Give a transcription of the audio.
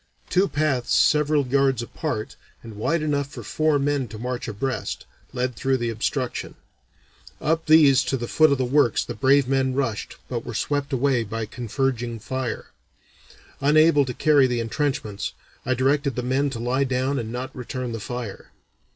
Two paths several yards apart, and wide enough for four men to march abreast, led through the obstruction. Up these to the foot of the works the brave men rushed but were swept away by a converging fire. Unable to carry the intrenchments, I directed the men to lie down and not return the fire.